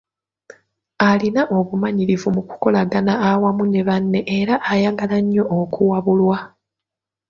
Alina obumanyirivu mu kukolaganira awamu ne banne era ayagala nnyo okuwabulwa.